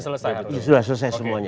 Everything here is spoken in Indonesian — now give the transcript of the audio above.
sudah selesai semuanya